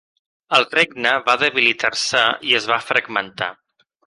El regne va debilitar-se i es va fragmentar.